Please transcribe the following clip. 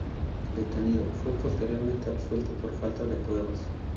Detenido, fue posteriormente absuelto por falta de pruebas.